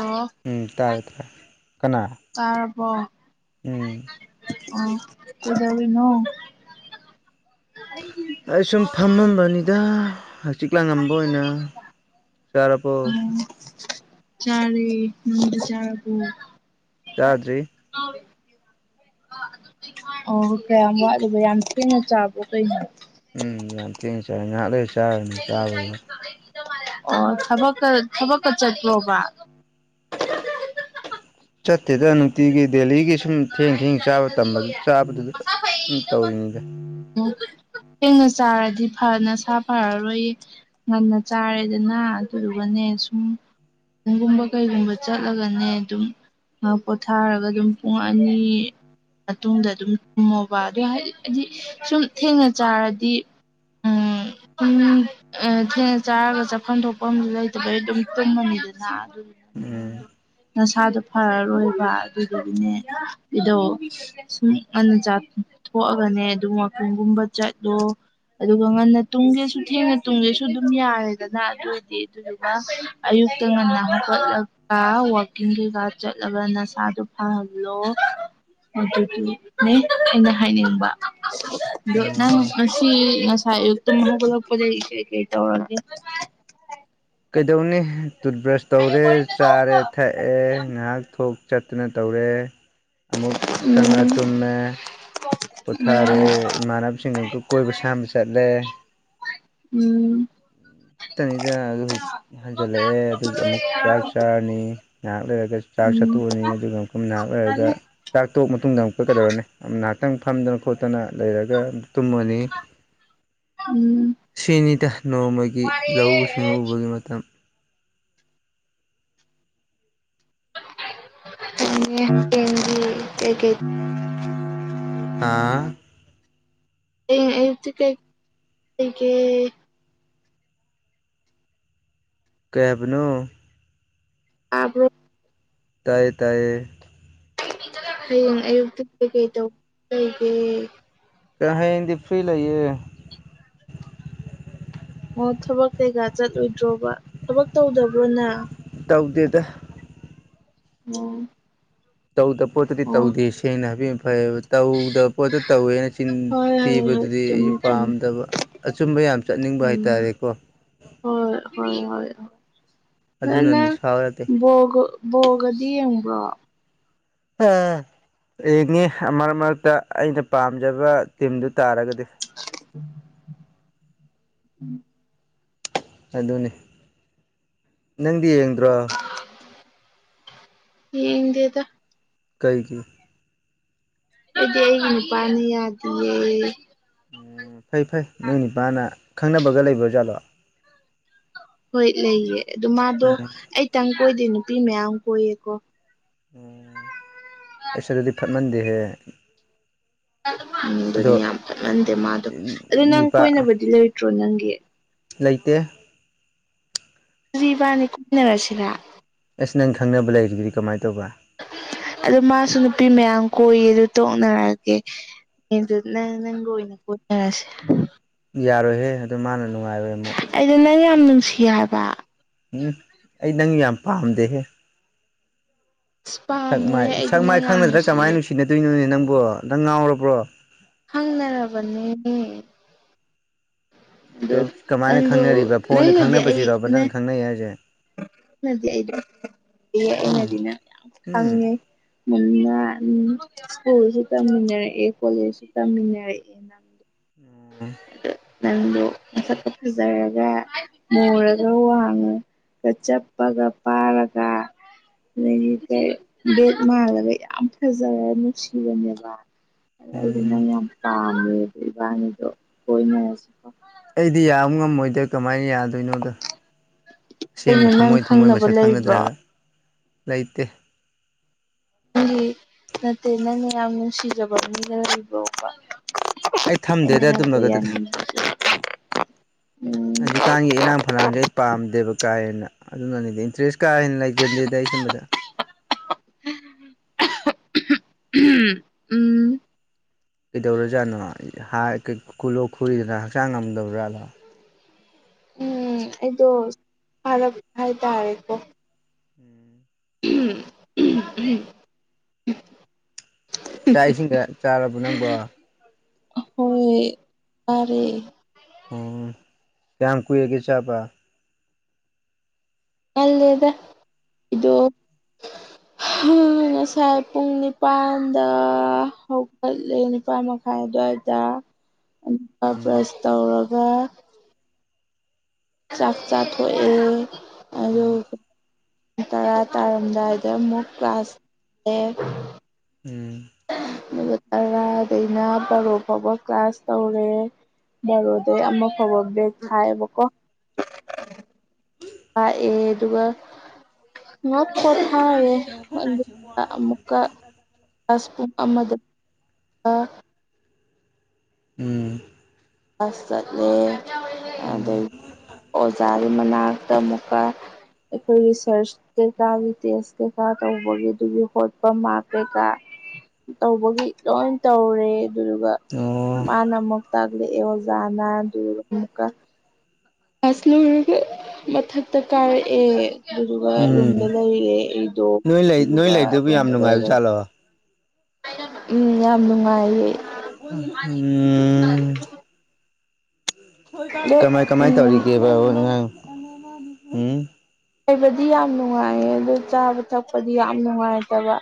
ꯑꯣ ꯎꯝ ꯇꯥꯔꯦ ꯇꯥꯔꯦ ꯀꯅꯥ ꯇꯥꯔꯕꯣ ꯎꯝ ꯑꯣ ꯀꯩꯗꯧꯔꯤꯅꯣ ꯑꯩ ꯁꯨꯝ ꯐꯝꯃꯝꯕꯅꯤꯗ ꯍꯡꯆꯤꯠ ꯂꯥꯡꯉꯝꯕ ꯑꯣꯏꯅ ꯆꯥꯔꯕꯣ ꯎꯝ ꯆꯥꯔꯦ ꯅꯪꯗꯤ ꯆꯥꯔꯕꯣ ꯆꯥꯗ꯭ꯔꯤ ꯑꯣ ꯀꯌꯥꯝ ꯋꯥꯠꯂꯤꯕ ꯌꯥꯝ ꯊꯦꯡꯅ ꯆꯥꯕ꯭ꯔꯣ ꯀꯩꯅꯣ ꯎꯝ ꯌꯥꯝ ꯊꯦꯡꯅ ꯆꯥꯏ ꯉꯥꯏꯍꯥꯛ ꯂꯩ ꯆꯥꯔꯅꯤ ꯆꯥꯕꯗ ꯑꯣ ꯊꯕꯛꯀ ꯊꯕꯛꯀ ꯆꯠꯄ꯭ꯔꯣꯕ ꯆꯠꯇꯦꯗ ꯅꯨꯡꯇꯤꯒꯤ ꯗꯦꯜꯂꯤꯒꯤ ꯁꯨꯝ ꯊꯦꯡ ꯑꯩꯒꯤ ꯊꯦꯡ ꯗꯥꯏꯔꯦꯛ ꯆꯥꯕ ꯍꯦꯜꯗꯤ ꯇꯝꯕꯗꯨ ꯑꯣꯏꯌꯦ ꯆꯥꯕꯗꯨꯗ ꯃꯁꯥꯐꯩ ꯑꯗꯨꯝ ꯇꯧꯔꯤꯅꯤꯗ [unintelligible] ꯊꯦꯡꯅ ꯆꯥꯔꯗꯤ ꯐ ꯅꯁꯥ ꯐꯔꯔꯣꯏꯌꯦ ꯉꯟꯅ ꯆꯥꯔꯦꯗꯅ ꯑꯗꯨꯗꯨꯒꯅꯦ ꯁꯨꯝ ꯒꯨꯝꯕ ꯀꯩꯒꯨꯝꯕ ꯆꯠꯂꯒꯅꯦ ꯑꯗꯨꯝ ꯉꯥꯛ ꯄꯣꯊꯥꯔꯒ ꯗꯨꯝ ꯄꯨꯡ ꯑꯅꯤ ꯃꯇꯨꯡꯗ ꯑꯗꯨꯝ ꯇꯨꯝꯃꯣꯕ ꯑꯗꯨꯢ ꯍꯥꯏꯗꯤ ꯑꯗꯤ ꯁꯨꯝ ꯊꯦꯡꯅ ꯆꯥꯔꯗꯤ ꯎꯝ ꯎꯝ ꯑꯥ ꯊꯦꯡꯅ ꯆꯥꯔꯒ ꯆꯥꯐꯝ ꯊꯣꯛꯐꯝ ꯂꯩꯇꯕꯩ ꯑꯗꯨꯝ ꯇꯨꯝꯃꯅꯤꯗꯅ ꯎꯝ ꯅꯁꯥꯗꯣ ꯐꯔꯔꯣꯏꯕ ꯑꯗꯨꯗꯨꯒꯤꯅꯦ ꯏꯗꯣ ꯁꯨꯝ ꯉꯟꯅ ꯆꯥ ꯊꯣꯛꯑꯒꯅꯦ ꯑꯗꯨꯝ ꯋꯥꯛꯀꯤꯡ ꯒꯨꯝꯕ ꯆꯠꯂꯣ ꯑꯗꯨꯒ ꯉꯟꯅ ꯇꯨꯝꯒꯦꯁꯨ ꯊꯦꯡꯅ ꯇꯨꯝꯒꯦꯁꯨ ꯑꯗꯨꯝ ꯌꯥꯔꯦꯗꯅ ꯑꯗꯨ ꯑꯣꯏꯔꯗꯤ ꯑꯗꯨ ꯑꯌꯨꯛꯇ ꯉꯟꯅ ꯍꯧꯒꯠꯂꯒ ꯋꯥꯛꯀꯤꯡ ꯀꯩꯀꯥ ꯆꯠꯂꯒ ꯅꯁꯥꯗꯨ ꯁꯥ ꯍꯜꯂꯣ ꯑꯗꯨꯗꯤꯅꯦ ꯑꯩꯅ ꯍꯥꯏꯅꯤꯡꯕ ꯑꯗꯣ ꯅꯪ ꯑꯣ ꯉꯁꯤ ꯉꯁꯥꯏ ꯑꯌꯨꯛ ꯇꯨꯝ ꯍꯧꯒꯠꯂꯤꯄꯗꯩ ꯀꯩ ꯀꯩ ꯇꯧꯔꯒꯦ ꯀꯩꯗꯧꯅꯤ ꯇꯨꯠꯕ꯭ꯔꯁ ꯇꯧꯔꯦ ꯆꯥꯔꯦ ꯊꯛꯑꯦ ꯉꯥꯏꯍꯥꯛ ꯊꯣꯛ ꯆꯠꯇꯨꯅ ꯇꯧꯔꯦ ꯑꯃꯨꯛ ꯆꯪꯂꯛꯑ ꯎꯝ ꯇꯨꯝꯃꯦ ꯄꯣꯊꯥꯔꯦ ꯏꯃꯥꯟꯅꯕꯁꯤꯡꯒ [unintelligible] ꯀꯣꯏꯕ ꯁꯥꯝꯕ ꯆꯠꯂꯦ ꯎꯝ ꯁꯤꯠꯇꯅꯤꯗ ꯑꯗꯨꯕꯨ ꯍꯟꯖꯜꯂꯛꯑꯦ ꯑꯗꯨꯁꯨ ꯑꯃꯨꯛ ꯆꯥꯛ ꯆꯥꯔꯅꯤ ꯉꯥꯏꯍꯥꯛ ꯂꯩꯔꯒ ꯆꯥꯛ ꯎꯝ ꯎꯝ ꯆꯊꯣꯛꯑꯅꯤ ꯑꯗꯨꯒ ꯃꯐꯝ ꯅꯥꯍꯥꯛ ꯂꯩꯔꯒ ꯆꯥꯛ ꯇꯣꯛꯑ ꯃꯇꯨꯡꯗ ꯑꯃꯨꯛꯀ ꯀꯗꯧꯔꯅꯤ ꯉꯥꯏꯍꯥꯛꯇꯪ ꯐꯝꯗꯅ ꯈꯣꯠꯇꯅ ꯂꯩꯔꯒ ꯇꯨꯝꯃꯅꯤ ꯎꯝ ꯁꯤꯅꯤꯗ ꯅꯣꯡꯃꯒꯤ ꯂꯧꯎ ꯁꯤꯡꯎꯕꯒꯤ ꯃꯇꯝ [unintelligible] ꯑꯥ ꯍꯌꯦꯡ ꯑꯌꯨꯛꯇꯤ ꯀꯩ ꯀꯩꯒꯦ ꯀꯩ ꯍꯥꯏꯕꯅꯣ ꯇꯥꯕ꯭ꯔꯣ ꯇꯥꯏꯌꯦ ꯇꯥꯏꯌꯦ [unintelligible] ꯍꯌꯦꯡ ꯑꯌꯨꯛꯇꯤ ꯀꯩꯀꯩ ꯇꯧꯗꯧ ꯂꯩꯒꯦ ꯀꯩꯅꯣ ꯍꯌꯦꯡꯗꯤ ꯐꯔꯤ ꯂꯩꯌꯦ ꯑꯣ ꯊꯕꯛ ꯀꯩꯀꯥ ꯆꯠꯂꯣꯏꯗ꯭ꯔꯣꯕ ꯊꯕꯛ ꯇꯧꯗꯕ꯭ꯔꯣꯅ ꯇꯧꯗꯦꯗ [unintelligible] ꯇꯧꯗ ꯄꯣꯠꯇꯗꯤ ꯑꯣ ꯇꯧꯗꯦ ꯁꯦꯡꯅ ꯍꯥꯏꯕꯤꯑꯝ ꯐꯩꯑꯦꯕ ꯇꯧꯗꯕ ꯄꯣꯠꯇ ꯇꯧꯋꯦꯅ ꯍꯣꯏ ꯍꯣꯏ ꯍꯣꯏ ꯆꯤꯟꯊꯤꯕꯗꯨꯗꯤ ꯑꯩꯁꯨ ꯆꯨꯝꯃꯦ ꯆꯨꯝꯃꯦ ꯄꯥꯝꯗꯕ ꯑꯆꯨꯝꯕ ꯌꯥꯝ ꯆꯠꯅꯤꯡꯕ ꯎꯝ ꯍꯥꯏꯇꯥꯔꯦꯀꯣ ꯍꯣꯏ ꯍꯣꯏ ꯍꯣꯏ ꯑꯗꯨꯅ ꯅꯅꯪ ꯅꯤꯁꯥ ꯅꯠꯇꯦ ꯕꯣꯜꯒ ꯕꯣꯜꯒꯗꯤ ꯌꯦꯡꯕ꯭ꯔꯣ ꯑ ꯔꯦꯡꯉꯦ ꯃꯔꯛ ꯃꯔꯛꯇ ꯑꯩꯅ ꯄꯥꯝꯖꯕ ꯇꯤꯝꯗꯨ ꯇꯥꯔꯒꯗꯤ [inaudible] [inaudible] ꯑꯗꯨꯅꯤ ꯅꯪꯗꯤ ꯌꯦꯡꯗ꯭ꯔꯣ ꯌꯦꯡꯗꯦꯗ ꯀꯩꯒꯤ ꯑꯩꯗꯤ ꯑꯩꯒꯤ ꯅꯨꯄꯥꯅ ꯌꯥꯗꯤꯌꯦ ꯐꯩ ꯐꯩ ꯅꯣꯏ ꯅꯤꯄꯥꯅ ꯈꯪꯅꯕꯒ ꯂꯩꯕ ꯖꯥꯠꯂꯣ ꯍꯣꯏ ꯂꯩꯌꯦ ꯑꯗꯨ ꯃꯥꯗꯣ ꯎꯝ ꯑꯩꯇꯪ ꯀꯣꯏꯗꯦ ꯅꯨꯄꯤ ꯃꯌꯥꯝ ꯀꯣꯏꯌꯦꯀꯣ ꯎꯝ ꯑꯩꯁ ꯑꯗꯨꯗꯤ ꯐꯠꯃꯟꯗꯦꯍꯦ ꯑꯗꯣ ꯑꯗꯨꯅꯤ ꯌꯥꯝ ꯐꯠꯃꯟꯗꯦ ꯃꯥꯗꯣ ꯑꯗꯨ ꯅꯪ ꯅꯤꯄꯥ ꯀꯣꯏꯅꯕꯗꯤ ꯂꯩꯇ꯭ꯔꯣ ꯅꯪꯒꯤ ꯂꯩꯇꯦ ꯑꯗꯨꯗꯤ ꯏꯕꯥꯅꯤ ꯀꯣꯏꯅꯔꯁꯤꯔꯥ ꯑꯁ ꯅꯪ ꯈꯪꯅꯕ ꯂꯩꯔꯤꯗꯨꯗꯤ ꯀꯃꯥꯏꯅ ꯇꯧꯕ ꯑꯗꯨ ꯃꯥꯁꯨ ꯅꯨꯄꯤ ꯃꯌꯥꯝ ꯀꯣꯏꯌꯦ ꯑꯗꯨ ꯇꯣꯛꯅꯔꯒꯦ [unintelligible] ꯅꯪ ꯅꯪꯒ ꯑꯣꯏꯅ ꯀꯣꯢꯅꯔꯁꯦ ꯌꯥꯔꯣꯏꯍꯦ ꯑꯗꯨ ꯃꯥꯅ ꯅꯨꯡꯉꯥꯏꯔꯣꯏ ꯑꯃꯨꯛ ꯑꯩꯗꯣ ꯅꯪ ꯌꯥꯝ ꯅꯨꯡꯁꯤ ꯍꯥꯏꯕ ꯎꯝ ꯑꯩ ꯅꯪ ꯌꯥꯝ ꯄꯥꯝꯗꯦꯍꯦ ꯑꯁ ꯁꯛ ꯃꯥꯏ ꯄꯥꯝꯃꯣꯏꯍꯦ ꯑꯩꯗꯤ ꯁꯛ ꯅꯪ ꯃꯥꯏ ꯌꯥꯝ ꯈꯪꯅꯗ꯭ꯔꯥ ꯅꯨꯡꯁꯤꯌꯦ ꯀꯃꯥꯏꯅ ꯅꯨꯡꯁꯤꯅꯗꯣꯏꯅꯣꯅꯦ ꯅꯪꯕꯨ ꯅꯪ ꯉꯥꯎꯔꯕ꯭ꯔꯣ ꯈꯪꯅꯔꯕꯅꯦ [unintelligible] ꯑꯗꯣ ꯀꯃꯥꯏꯅ ꯅꯪꯗꯨ ꯈꯪꯅꯔꯤꯕ ꯐꯣꯟꯗ ꯅꯪꯅꯗꯤ ꯑꯩ ꯈꯪꯅꯕꯁꯤꯔꯣꯕ ꯅ ꯅꯪ ꯈꯪꯅꯩ ꯍꯥꯏꯖꯦ [unintelligible] ꯑꯩꯅꯗꯤ ꯎꯝ ꯅꯪ ꯎꯝ ꯈꯪꯉꯦ ꯃꯨꯟꯅ ꯁ꯭ꯀꯨꯜꯁꯨ ꯇꯝꯃꯤꯟꯅꯔꯛꯑꯦ ꯀꯣꯂꯦꯖꯁꯨ ꯇꯝꯃꯤꯟꯅꯔꯛꯑꯦ ꯅꯪ ꯑ ꯅꯪꯗꯣ ꯃꯁꯠꯄ ꯐꯖꯔꯒ ꯃꯨꯔꯒ ꯋꯥꯡꯉꯒ ꯆꯞꯄꯒ ꯄꯥꯔꯒ ꯑꯗꯒꯤ ꯀꯩ ꯕꯦꯠ ꯃꯥꯜꯂꯒ ꯌꯥꯝ ꯐꯖꯔ ꯅꯨꯡꯁꯤꯕꯅꯦꯕ ꯑꯗ ꯑꯩꯗꯣ ꯅꯪ ꯎꯝ ꯌꯥꯝ ꯄꯥꯝꯃꯦ ꯑꯗꯣ ꯏꯕꯥꯅꯤꯗꯣ ꯀꯣꯏꯅꯔꯁꯦ ꯑꯩꯗꯤ ꯌꯥꯕ ꯉꯝꯃꯣꯏꯗ ꯀꯃꯥꯏꯅ ꯌꯥ ꯀꯥꯢꯗꯩꯩꯅꯣꯗ ꯀꯩꯅꯣ ꯑꯁꯦꯡꯕ ꯅꯪ ꯊꯃꯣꯏ ꯊꯃꯣꯏ ꯈꯪꯅꯕ ꯃꯁꯛ ꯂꯩꯕ꯭ꯔꯣ ꯈꯪꯅꯗ꯭ꯔꯒ ꯂꯩꯇꯦ ꯅꯪꯒꯤ ꯅꯠꯇꯦ ꯅꯪꯅ ꯌꯥꯝ ꯅꯨꯡꯁꯤꯖꯕ ꯃꯤꯒ ꯂꯩꯕ꯭ꯔꯣꯕ ꯑꯩ ꯊꯝꯗꯦꯗ ꯑꯗꯨꯝꯕꯒꯗꯨꯗꯤ [unintelligible] ꯍꯧꯖꯤꯛꯀꯥꯟꯒꯤ ꯏꯔꯥꯡ ꯐꯂꯥꯡꯁꯦ ꯑꯩ ꯄꯥꯝꯗꯦꯕ ꯀꯥ ꯍꯦꯟꯅ ꯑꯗꯨꯅꯅꯤꯗ ꯏꯟꯇꯔꯦꯁ ꯀꯥ ꯍꯦꯟꯅ ꯂꯩꯖꯗꯦꯗ ꯑꯩ ꯁꯨꯝꯕꯗ [inaudible] ꯎꯝ [unintelligible] ꯀꯩꯗꯧꯔꯖꯥꯠꯅꯣ ꯍꯔꯤꯗꯨꯅ ꯂꯣꯛ ꯈꯨꯔꯤꯗꯨꯅ ꯍꯛꯆꯥꯡ ꯉꯝꯗ꯭ꯔꯕꯖꯥꯠꯂꯣ ꯎꯝ ꯑꯩꯗꯣ ꯍꯥꯔꯛꯄ ꯍꯥꯏꯇꯥꯔꯦꯀꯣ ꯎꯝ [unintelligible] ꯆꯥꯛ ꯏꯁꯤꯡꯒ ꯆꯥꯔꯕ ꯅꯪꯕꯣ ꯍꯣꯏ ꯆꯥꯔꯦ ꯎꯝ ꯀꯌꯥꯝ ꯀꯨꯏꯔꯒꯦ ꯆꯥꯕꯥ ꯉꯥꯜꯂꯦꯗ ꯑꯩꯗꯣ ꯉꯁꯥꯏ ꯄꯨꯡ ꯅꯤꯄꯥꯜꯗ ꯍꯧꯒꯠꯂꯦ ꯅꯤꯄꯥꯜ ꯃꯈꯥꯏ ꯑꯗꯨꯋꯥꯏꯗ [inaudible] ꯕꯔ꯭ꯁ ꯎꯝ ꯇꯧꯔꯒ ꯆꯥꯛ ꯆꯥꯊꯣꯛꯑꯦ ꯑꯗꯨ ꯎꯝ ꯒ ꯇꯔꯥ ꯇꯥꯔꯝꯗꯥꯏꯗ ꯑꯃꯨꯛ ꯀ꯭ꯂꯥꯁ [unintelligible] ꯎꯝ ꯗꯨꯒ ꯇꯔꯥꯗꯩꯅ ꯕꯥꯔꯣ ꯐꯥꯎꯕ ꯀ꯭ꯂꯥꯁ ꯇꯧꯔꯦ ꯕꯥꯔꯣꯗꯩ ꯑꯃ ꯐꯥꯎꯕ ꯕ꯭ꯔ‌ꯦꯛ ꯊꯥꯏꯌꯦꯕꯀꯣ ꯂꯥꯑꯦ ꯑꯗꯨꯒ [unintelligible] ꯀꯥꯡ ꯆꯤꯛꯇ꯭ꯔ ꯒꯨꯠꯅꯥꯏꯠ [unintelligible] ꯑꯁ ꯄꯨꯡ ꯑꯃꯗ [inaudible] ꯑ ꯎꯝ ꯀ꯭ꯂꯥꯁ ꯆꯠꯂꯦ ꯎꯝ ꯑꯗꯩꯩ [inaudible] ꯑꯣꯖꯥꯒꯤ ꯃꯅꯥꯛꯇ ꯑꯃꯨꯛꯀ ꯑꯩꯈꯣꯏꯒꯤ ꯁꯔꯆ ꯀꯩꯀꯥꯒꯤ ꯇꯦꯁ ꯀꯩꯀꯥ ꯇꯧꯕꯒꯤ ꯑꯗꯨꯒꯤ ꯍꯣꯠꯄ ꯃꯥꯔ꯭ꯛ ꯀꯩꯀꯥ ꯇꯧꯕꯒꯤ ꯂꯣꯏꯟ ꯇꯧꯔꯦ ꯑꯗꯨꯗꯨꯒ ꯑꯣ ꯃꯥꯅ ꯑꯃꯨꯛ ꯇꯥꯛꯂ‌ꯦꯑꯦ ꯑꯣꯖꯥꯅ ꯑꯗꯨꯗꯨꯒ ꯑꯃꯨꯛꯀ ꯀꯂ꯭ꯥꯁ ꯂꯨꯏꯔꯒꯥ ꯃꯊꯛꯇ ꯀꯥꯔꯑꯦ ꯑꯗꯨꯗꯨꯒ ꯎꯝ ꯔꯨꯝꯗ ꯂꯩꯔꯦ ꯑꯩꯗꯣ ꯅꯣꯏ ꯂꯩ ꯅꯣꯏ ꯑꯗꯨꯗꯨꯒ ꯂꯩꯗꯨꯕꯨ ꯌꯥꯝ ꯔꯨꯝꯗ ꯅꯨꯡꯉꯥꯏꯕ ꯂꯩꯔ ꯖꯥꯠꯂꯣ ꯎꯝ ꯌꯥꯝ ꯅꯨꯡꯉꯥꯏꯌꯦ ꯎꯝ ꯊ‌ꯣꯏꯕ ꯑꯗꯣ ꯀꯃꯥꯏ ꯀꯃꯥꯏ ꯎꯝ ꯇꯧꯔꯤꯒꯦ [unintelligible] ꯍꯨꯝ ꯂꯩꯕꯗꯤ ꯌꯥꯝ ꯅꯨꯡꯉꯥꯏꯌꯦ ꯑꯗꯨ ꯆꯥꯕ ꯊꯛꯄꯗꯤ ꯌꯥꯝ ꯅꯨꯡꯉꯥꯏꯇꯕ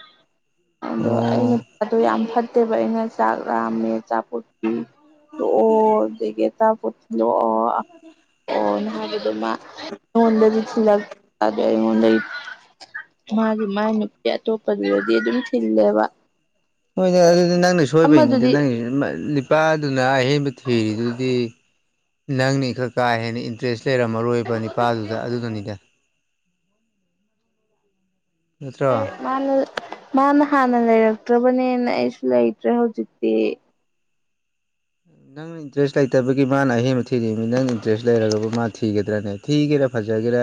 ꯑꯗꯣ ꯑꯩ ꯑꯣ ꯅꯨꯄꯥꯗꯣ ꯌꯥꯝ ꯐꯠꯇꯦꯕ ꯑꯩꯅ ꯆꯥꯛ ꯂꯥꯝꯃꯦ ꯑꯆꯥꯄꯣꯠ ꯄꯤ [unintelligible] ꯑꯗꯒꯤ ꯑꯆꯥꯄ‌ꯣꯠ ꯊꯤꯜꯂꯛꯑꯣ [unintelligible] ꯅ ꯍꯥꯏꯕ ꯑꯗꯣ ꯃꯥ ꯑꯩꯉꯣꯟꯗꯗꯤ ꯊꯤꯜꯂꯛ [inaudible] ꯑꯗꯣ ꯑꯩꯉꯣꯟꯗꯩꯩ ꯃꯥꯒꯤ ꯃꯥꯥꯏ ꯅꯨꯄꯤ ꯑꯇꯣꯞꯄꯗꯨꯗꯗꯤ ꯑꯗꯨꯝ ꯊꯤꯜꯂꯦꯕ ꯍꯣꯏꯗ ꯑꯗꯨꯗꯤ ꯅꯪꯅ ꯁꯣꯏꯕꯩꯅꯤꯗ ꯑꯃꯗꯨꯗꯤ ꯅꯪꯒꯤꯁꯨ [unintelligible] ꯄꯥꯗꯨꯅ ꯑꯍꯦꯟꯕ ꯊꯤꯔꯤꯗꯨꯗꯤ ꯅꯪꯅꯤ ꯈ꯭ꯔ ꯀꯥ ꯍꯦꯟꯅ ꯏꯟꯇꯔꯦꯁ ꯂꯩꯔꯝꯃꯔꯣꯏꯕ ꯅꯤꯄꯥꯗꯨꯗ ꯑꯗꯨꯗꯨꯅꯤꯗ ꯅꯠꯇ꯭ꯔꯣ ꯃꯥꯅꯤ ꯃꯥꯅ ꯍꯥꯟꯅ ꯂꯩꯔꯛꯇ꯭ꯔꯕꯅꯦꯅ ꯑꯩꯁꯨ ꯂꯩꯇ꯭ꯔꯦ ꯍꯧꯖꯤꯛꯇꯤ ꯅꯪꯅ ꯏꯟꯇꯔꯦꯁ ꯂꯩꯇꯕꯒꯤ ꯃꯥꯅ ꯑꯍꯦꯟꯕ ꯊꯤꯔꯤꯝꯅꯤ ꯅꯪꯅ ꯏꯟꯇꯔꯦꯁ ꯂꯩꯔꯒꯕꯨ ꯃꯥ ꯊꯤꯒꯗ꯭ꯔꯥꯅꯦ ꯊꯤꯒꯦꯔꯥ ꯐꯖꯒꯦꯔꯥ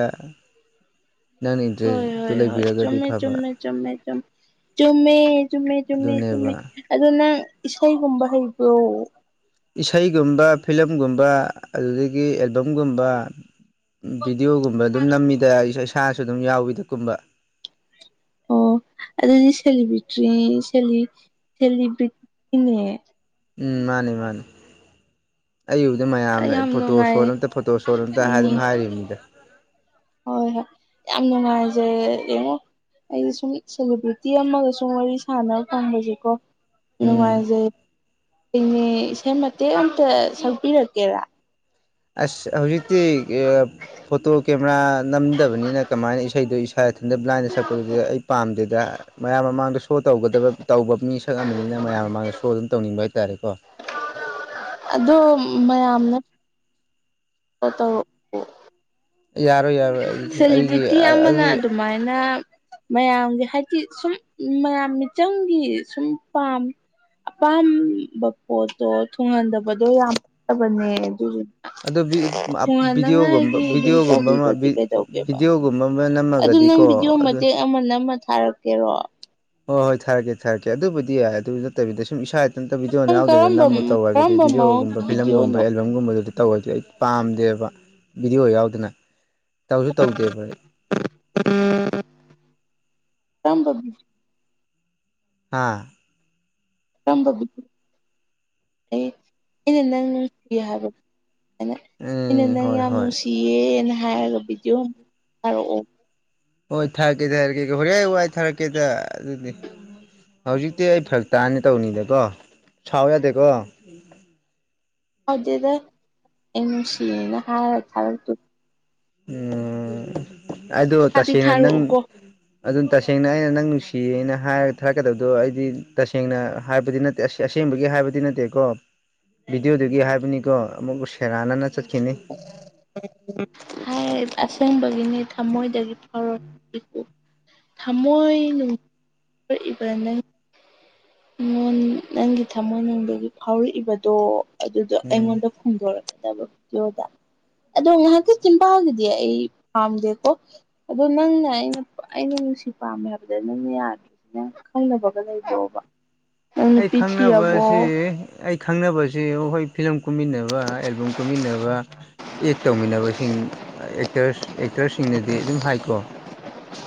ꯅꯪꯅ ꯍꯣꯏ ꯏꯟꯇꯔꯦꯁꯇꯨ ꯍꯣꯏ ꯍꯣꯏ ꯂꯩꯕꯤꯔꯒꯗꯤ ꯆꯨꯝꯃꯦ ꯐꯕ ꯆꯨꯝꯃꯦ ꯆꯨꯝꯃꯦ ꯆꯨꯝ ꯆꯨꯝꯃꯦ ꯆꯨꯝꯃꯦ ꯆꯨꯝꯃꯦ ꯆꯨꯝꯃꯦ ꯑꯗꯨꯅꯦꯕ ꯑꯗꯣ ꯅꯪ ꯏꯁꯩꯒꯨꯝꯕ ꯍꯩꯕ꯭ꯔꯣ ꯏꯁꯩꯒꯨꯝꯕ ꯐꯤꯂꯝꯒꯨꯝꯕ ꯑꯗꯨꯗꯒꯤ ꯑꯦꯜꯕꯝꯒꯨꯝꯕ ꯚꯤꯗꯤꯑꯣꯒꯨꯝꯕ ꯑꯗꯨꯝ ꯅꯝꯃꯤꯗ ꯏꯁꯥ ꯏꯁꯥꯁꯨ ꯑꯗꯨꯝ ꯌꯥꯎꯋꯤꯗ ꯀꯨꯝꯕ ꯑꯣ ꯑꯗꯨꯗꯤ ꯁꯦꯂꯤꯕ꯭ꯔꯤꯇꯔꯤ ꯁ‌ꯦꯂꯤ ꯁꯦꯂꯤꯕ꯭ꯔꯤꯇꯤꯅꯦ ꯎꯝ ꯃꯥꯅꯤ ꯃꯥꯅꯤ ꯑꯩ ꯎꯕꯗ ꯑꯩ ꯃꯌꯥꯝꯅ ꯌꯥꯝ ꯐꯣꯇꯣ ꯅꯨꯡꯉꯥꯏꯌꯦ ꯁꯣꯠ ꯑꯝꯇ ꯐꯣꯇꯣ ꯁꯣꯠ ꯑꯝꯇ ꯎꯝ ꯍꯥꯏꯗꯨꯝ ꯍꯥꯏꯔꯤꯕꯅꯤꯗ ꯍꯣꯏ ꯍꯣ ꯌꯥꯝ ꯅꯨꯡꯉꯥꯏꯖꯔꯦ ꯌꯦꯡꯉꯨ ꯑꯩꯗꯤ ꯁꯨꯝ ꯁꯦꯂꯦꯕ꯭ꯔꯤꯇꯤ ꯑꯃꯒ ꯁꯨꯝ ꯋꯥꯔꯤ ꯁꯥꯟꯅꯕ ꯐꯪꯕꯁꯦꯀꯣ ꯎꯝ ꯅꯨꯡꯉꯥꯏꯖꯩ [inaudible] ꯅꯦ ꯏꯁꯩ ꯃꯇꯦꯛ ꯑꯃꯝꯇ ꯁꯛꯄꯤꯔꯛꯀꯦꯔꯥ ꯑꯁ ꯍꯧꯖꯤꯛꯇꯤ ꯑ ꯐꯣꯇꯣ ꯀꯦꯃꯦꯔꯥ ꯅꯝꯗꯕꯅꯤꯅ ꯀꯃꯥꯏꯅ ꯏꯁꯩꯗꯣ ꯏꯁꯥ ꯏꯊꯟꯇ ꯕ꯭ꯂꯥꯏꯟꯗ ꯁꯛꯄꯗꯨꯗꯤ ꯑꯩ ꯄꯥꯝꯗꯦꯗ ꯃꯌꯥꯝ ꯃꯃꯥꯡꯗ ꯁꯣ ꯇꯧꯒꯗꯕ ꯇꯧꯕ ꯃꯤꯁꯛ ꯑꯝꯅꯤꯅ ꯃꯌꯥꯝ ꯃꯃꯥꯡꯗ ꯁꯣ ꯑꯗꯨꯝ ꯇꯧꯅꯤꯡꯕ ꯍꯥꯏꯇꯥꯔꯦꯀꯣ ꯑꯗꯣ ꯃꯌꯥꯝ ꯅꯠ [inaudible] ꯇ ꯇꯧꯔꯛ ꯑꯦ ꯌꯥꯔꯣꯏ ꯌꯥꯔꯣꯏ ꯑꯗꯨꯗꯤ ꯑꯩꯒꯤ ꯁꯦꯂꯤꯕ꯭ꯔꯤꯇꯤ ꯑꯃꯅ ꯑꯗꯨꯗꯤ ꯑꯗꯨꯃꯥꯏꯅ ꯃꯌꯥꯝꯒꯤ ꯍꯥꯏꯗꯤ ꯁꯨꯝ ꯃꯌꯥꯝ ꯃꯤꯆꯪꯒꯤ ꯁꯨꯝ ꯄꯥꯝ ꯑꯄꯥꯝꯕ ꯄꯣꯠꯇꯣ ꯊꯨꯡꯍꯟꯗꯕꯗꯣ ꯌꯥꯝ ꯇꯕꯅꯦ ꯑꯗꯨꯗꯨ ꯑꯗꯨ ꯕꯤ ꯕꯤꯗꯤꯌꯣꯒꯨꯝꯕ ꯊꯨꯡꯍꯟꯅꯉꯥꯏꯒꯤ ꯑꯗꯨꯝ ꯕꯤꯗꯤꯌꯣꯒꯨꯝꯕ ꯑꯃ ꯇꯧꯕꯤꯕꯗꯤ ꯕꯤꯠ ꯀꯩꯗꯧꯒꯦꯕ ꯕꯤꯗꯤꯌꯣꯒꯨꯝꯕ ꯑꯃ ꯅꯝꯃꯒꯗꯤꯀꯣ ꯑꯗꯨ ꯅꯝꯃ ꯅꯝꯃ ꯊꯥꯔꯛꯀꯦꯔꯣ ꯍꯣꯏ ꯍꯣꯏ ꯊꯥꯔꯛꯀꯦ ꯊꯥꯔꯛꯀꯦ ꯑꯗꯨꯕꯨꯗꯤ ꯌꯥꯏ ꯑꯗꯨ ꯅꯠꯇꯕꯤꯗ ꯁꯨꯝ ꯏꯁꯥ ꯊꯟꯇ ꯕꯤꯗꯤꯌꯣ ꯅꯪ ꯌꯥꯎꯗꯦꯗ ꯀꯔꯝꯕ ꯅꯝꯃꯨ ꯇꯧ ꯍꯥꯏꯗꯨꯗꯤ ꯀꯔꯝꯕ ꯃꯑꯣꯡꯒꯤ ꯕꯤꯗꯤꯌꯣꯒꯨꯝꯕ ꯐꯤꯂꯝꯒꯨꯝꯕ ꯚꯤꯗꯤꯑꯣꯅꯣ ꯑꯦꯜꯕꯝ ꯒꯨꯝꯕꯗꯨꯗꯤ ꯇꯧ ꯍꯥꯏꯗꯤ ꯑꯩ ꯄꯥꯝꯗꯦꯕ ꯕꯤꯗꯤꯌꯣ ꯌꯥꯎꯗꯅ ꯇꯧꯖꯨ ꯇꯧꯗꯦꯕ ꯑꯩ [unintelligible] ꯀꯔꯝꯕ ꯕꯤ ꯑꯥ [unintelligible] ꯑꯩꯅ ꯅꯪ [unintelligible] ꯍꯥꯏꯕ ꯑꯩꯅ ꯑꯩꯅ ꯎꯝ ꯅꯪ ꯍꯣꯏ ꯌꯥꯝ ꯍꯣꯏ ꯅꯨꯡꯁꯤꯌꯦꯅ ꯍꯥꯏꯔꯒ ꯕꯤꯗꯤꯌꯣ ꯑꯝ ꯊꯥꯔꯣꯑꯣ ꯍꯣꯏ ꯊꯥꯔꯛꯀꯦ ꯊꯥꯔꯛꯀꯦꯀꯣ ꯍꯣꯔꯦꯟ ꯋꯥꯏ ꯊꯥꯔꯛꯀꯦꯗ ꯑꯗꯨꯗꯤ ꯍꯧꯖꯤꯛꯇꯤ ꯑꯩ ꯐꯔꯛ ꯇꯥꯅꯤ ꯇꯧꯅꯤꯗꯀꯣ ꯁꯥꯎ ꯌꯥꯗꯦꯀꯣ [unintelligible] ꯁꯥꯎꯗꯦꯗ ꯑꯩ ꯅꯨꯡꯁꯤꯌꯦꯅ ꯍꯥꯏꯔ ꯊꯥꯔꯛꯇꯣꯏ ꯎꯝ ꯑꯗꯣ ꯊꯥꯗꯤ ꯇꯁꯦꯡꯅ ꯅꯪ ꯊꯥꯔꯛꯎꯀꯣ ꯑꯗꯨꯟ ꯇꯁꯦꯡꯅ ꯑꯩꯅ ꯅꯪ ꯅꯨꯡꯁꯤꯌꯦꯅ ꯍꯥꯏꯔꯒ ꯊꯥꯔꯛꯀꯗꯕꯗꯣ ꯑꯩꯗꯤ ꯇꯁꯦꯡꯅ ꯍꯥꯏꯕꯗꯤ ꯅꯠ ꯇꯦꯁ ꯑꯁꯦꯡꯕꯒꯤ ꯍꯥꯏꯕꯗꯤ ꯅꯠꯇꯦꯀꯣ ꯕꯤꯗꯤꯌꯣꯗꯨꯒꯤ ꯍꯥꯏꯕꯅꯤꯀꯣ ꯑꯃꯨꯛ ꯁꯦꯔꯥꯟꯅꯅ ꯆꯠꯈꯤꯅꯤ [unintelligible] ꯍꯥꯏꯞ ꯑꯁꯦꯡꯕꯒꯤꯅꯤ ꯊꯃꯣꯏꯗꯒꯤ ꯐꯥꯎꯔꯞ [unintelligible] ꯊꯃꯣꯏ ꯅꯨꯡ ꯔꯏꯕ ꯅꯪ ꯉꯣꯟ ꯅꯪꯒꯤ ꯊꯃꯣꯏꯅꯨꯡꯗꯒꯤ ꯐꯥꯎꯔꯛꯏꯕꯗꯣ ꯑꯗꯨꯗꯣ ꯎꯝ ꯑꯩꯉꯣꯟꯗ ꯐꯣꯡꯗꯣꯔꯛꯀꯗꯕ ꯗꯤꯌꯣꯗ ꯑꯗꯣ ꯉꯥꯍꯥꯛꯀꯤ ꯆꯤꯟꯕꯥꯜꯗꯗꯤ ꯑꯩ ꯄꯥꯝꯗꯦꯀꯣ ꯑꯗꯣ ꯅꯪꯅ ꯑꯩꯅ ꯄꯥ ꯑꯩꯅ ꯅꯨꯡꯁꯤ ꯄꯥꯝꯃꯦ ꯍꯥꯏꯕꯗ ꯅꯪꯅ ꯌꯥꯗ꯭ꯔꯤ ꯅꯪ ꯈꯜꯂꯨꯕꯒ ꯂꯩꯕ꯭ꯔꯣꯕ ꯅꯪ ꯑꯩ ꯅꯨꯄꯤ ꯈꯪꯅꯕꯁꯤ ꯊꯤꯔꯕꯣ ꯑꯩ ꯈꯪꯅꯕꯁꯤ ꯍꯣꯏ ꯐꯤꯂꯝ ꯀꯨꯝꯃꯤꯟꯅꯕ ꯑꯦꯜꯕꯝ ꯀꯨꯝꯃꯤꯟꯅꯕ ꯑꯦꯛ ꯇꯧꯃꯤꯟꯅꯕꯁꯤꯡ ꯑꯦꯛꯇꯔꯁ ꯑꯦꯛ ꯇ꯭ꯔꯦꯁꯁꯤꯡꯅꯗꯤ ꯑꯗꯨꯝ ꯍꯥꯏꯀꯣ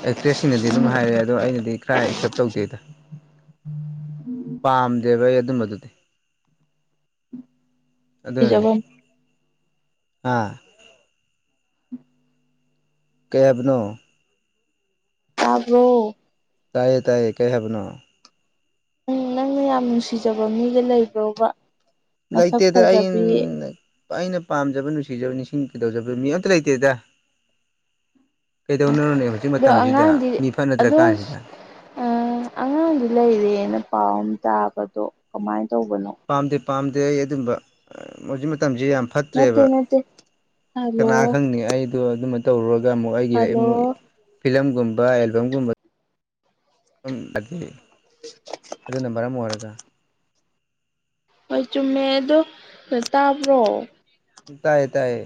ꯑꯦꯛꯇ꯭ꯔꯦꯁꯁꯤꯡꯅꯗꯤ ꯑꯗꯨꯝ ꯅꯪ ꯍꯥꯏꯔꯦꯠ ꯗꯣ ꯑꯩꯅꯗꯤ ꯈ꯭ꯔꯥ ꯑꯦꯛꯁꯦꯞ ꯇꯧꯗꯦꯗ ꯄꯥꯝꯗꯦꯕ ꯑꯩ ꯑꯗꯨꯝꯕꯗꯨꯗꯤ ꯑꯗꯨꯅꯅꯤ ꯅꯨꯡꯁꯤꯖꯕ ꯑꯥ [unintelligible] ꯀꯩ ꯌꯥꯕꯅꯣ ꯇꯥꯕ꯭ꯔꯣ ꯇꯥꯏꯌꯦ ꯇꯥꯏꯌꯦ ꯀꯩ ꯍꯥꯏꯕꯅꯣ ꯅꯪꯅ ꯌꯥꯝ ꯅꯨꯡꯁꯤꯖꯕ ꯃꯤꯒ ꯂꯩꯕ꯭ꯔꯣꯕ ꯃꯁꯛ ꯂꯩꯇꯦꯗ ꯐꯖꯕꯤ ꯑꯩꯟꯅ ꯑꯩꯅ ꯄꯥꯝꯖꯕ ꯅꯨꯡꯁꯤꯖꯕ ꯅꯤꯡꯁꯤꯡ ꯀꯩꯗꯧꯖꯕ ꯃꯤ ꯑꯝꯇ ꯂꯩꯇꯦꯗ ꯀꯩꯗꯧꯅꯔꯨꯅꯤ ꯍꯧꯖꯤꯛ ꯑꯗꯣ ꯃꯇꯝꯖꯤꯗ ꯃꯤ ꯐꯠꯅꯗ꯭ꯔ ꯀꯥꯟꯖꯤꯗ ꯑ ꯑꯉꯥꯡꯗꯤ ꯂꯩꯔꯦꯅ ꯄꯥꯎ ꯑꯝ ꯇꯥꯕ ꯗꯣ ꯀꯃꯥꯏꯟ ꯇꯧꯕꯅꯣ ꯄꯥꯝꯗꯦ ꯄꯥꯝꯗꯦ ꯑꯩ ꯑꯗꯨꯝꯕ ꯍꯧꯖꯤꯛ ꯃꯇꯝꯖꯦ ꯌꯥꯝ ꯅꯠꯇꯦ ꯐꯠꯇ꯭ꯔꯦꯕ ꯅꯠꯇꯦ ꯍꯜꯂꯣ ꯀꯅꯥ ꯈꯪꯅꯤ ꯑꯩ ꯇꯣ ꯑꯗꯨꯝꯃ ꯇꯧꯔꯨꯔꯒ ꯑꯃꯨꯛ ꯑꯩꯒꯤ ꯍꯜꯂꯣ ꯑꯃꯨꯛ ꯐꯤꯂꯝꯒꯨꯝꯕ ꯑꯦꯜꯕꯝꯒꯨꯝꯕ ꯎꯝ [unintelligible] ꯑꯗꯨꯅ ꯃꯔꯝ ꯑꯣꯏꯔꯒ ꯍꯣꯏ ꯆꯨꯝꯃꯦ ꯑꯗꯣ ꯗ ꯇꯥꯕ꯭ꯔꯣ ꯇꯥꯏꯌꯦ ꯇꯥꯏꯌꯦ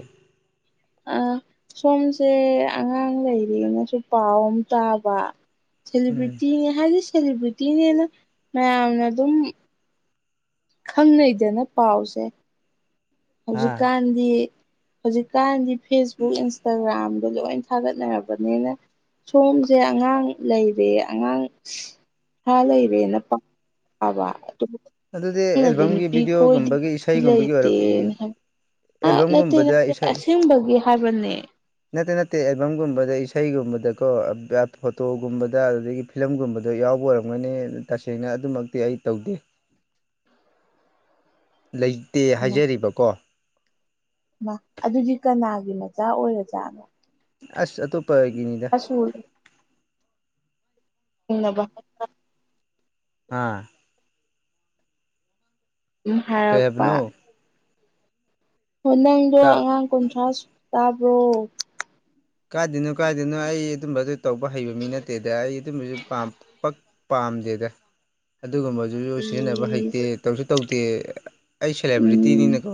ꯑ ꯁꯣꯝꯁꯦ ꯑꯉꯥꯡ ꯂꯩꯔꯦꯉꯁꯨ ꯄꯥꯎ ꯑꯝ ꯇꯥꯕ ꯎꯝ ꯁꯦꯂꯤꯕ꯭ꯔꯤꯇꯤꯅꯦ ꯍꯥꯏꯗꯤ ꯁꯦꯂꯤꯕ꯭ꯔꯤꯇꯤꯅꯦꯅ ꯃꯌꯥꯝꯅ ꯑꯗꯨꯝ ꯈꯪꯅꯩꯗꯅ ꯄꯥꯎꯁꯦ ꯍꯥ ꯍꯧꯖꯤꯛꯀꯥꯟꯗꯤ ꯍꯧꯖꯤꯛꯀꯥꯟꯗꯤ ꯐꯦꯁꯕꯨꯛ ꯏꯟꯁꯇꯥꯒ꯭ꯔꯥꯝꯗ ꯂꯣꯏ ꯊꯥꯒꯠꯅꯔꯕꯅꯤꯅ ꯁꯣꯝꯖꯦ ꯑꯉꯥꯡ ꯂꯩꯔꯦ ꯑꯉꯥꯡ [unintelligible] ꯂꯩꯔꯦꯅ ꯄꯥꯎ ꯑꯗꯨꯗꯤ [unintelligible] ꯅꯗꯤ ꯑꯦꯜꯕꯝꯒꯤ ꯅꯨꯄꯤ ꯀꯣꯏꯗꯦ ꯚꯤꯗꯤꯑꯣꯒꯨꯝꯕꯒꯤ ꯅꯨꯄꯤ ꯏꯁꯩꯒꯨꯝꯕꯒꯤ ꯑꯣꯏꯔ ꯂꯩꯇꯦꯅ [unintelligible] ꯑ ꯅꯠꯇꯦ ꯑꯦꯜꯕꯝꯒꯨꯝꯕꯗ ꯅꯠꯇꯦ ꯏꯁꯩ ꯑꯁꯦꯡꯕꯒꯤ ꯍꯥꯏꯕꯅꯦ ꯅꯠꯇꯦ ꯅꯠꯇꯦ ꯑꯦꯜꯕꯝꯒꯨꯝꯕꯗ ꯏꯁꯩꯒꯨꯝꯕꯗꯀꯣ [unintelligible] ꯐꯣꯇꯣꯒꯨꯝꯕꯗ ꯑꯗꯨꯗꯒꯤ ꯐꯤꯂꯝꯒꯨꯝꯕꯗ ꯌꯥꯎꯕ ꯑꯣꯏꯔꯝꯒꯅꯤ ꯇꯁꯦꯡꯅ ꯑꯗꯨꯃꯛꯇꯤ ꯑꯩ ꯇꯧꯗꯦ ꯂꯩꯇꯦ ꯃꯥ ꯍꯥꯏꯖꯔꯤꯕꯀꯣ ꯃꯥ ꯑꯗꯨꯗꯤ ꯀꯅꯥꯒꯤ ꯃꯆꯥ ꯑꯣꯏꯔꯖꯥꯅꯣ ꯑꯁ ꯑꯇꯣꯞꯄꯒꯤꯅꯤ [unintelligible] [unintelligible] ꯕ ꯑꯥ [unintelligible] ꯀꯩ ꯍꯥꯏꯔꯛꯄ ꯍꯥꯏꯕꯅꯣ ꯍꯣ ꯅꯪꯗꯣ ꯑꯉꯥꯡ ꯀꯨꯟꯊ꯭ꯔꯥꯁꯨ ꯇꯥꯕ꯭ꯔꯣ ꯀꯥꯏꯗꯩꯅꯣ ꯀꯥꯏꯗꯩꯅꯣ ꯑꯩ ꯑꯗꯨꯝꯕ ꯑꯗꯨ ꯇꯧꯕ ꯍꯩꯕ ꯃꯤ ꯅꯠꯇꯦꯗ ꯑꯩ ꯑꯗꯨꯝꯕꯖꯨ ꯄꯥꯝ ꯄꯛ ꯄꯥꯝꯗꯦꯗ ꯑꯗꯨꯒꯨꯝꯕ ꯑꯗꯨꯁꯨ ꯁꯤꯖꯤꯟꯅꯕ ꯎꯝ ꯍꯩꯇꯦ ꯇꯧꯁꯨ ꯇꯧꯗꯦ ꯑꯩ ꯎꯝ ꯁꯦꯂꯦꯕ꯭ꯔꯤꯇꯤꯅꯤꯅꯀꯣ